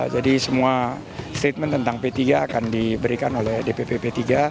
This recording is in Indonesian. jadi semua statement tentang p tiga akan diberikan oleh dpp p tiga